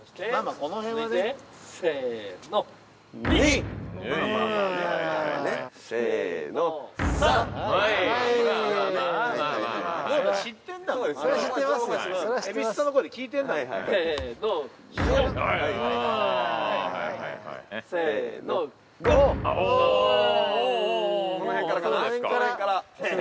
この辺からかな？